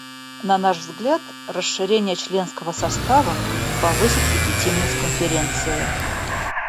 На наш взгляд, расширение членского состава повысит легитимность Конференции.